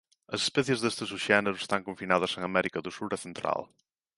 As especies deste subxénero están confinadas en América do Sur e Central.